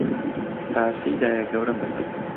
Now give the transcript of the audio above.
تاسەی دایەگەورەم دەکەم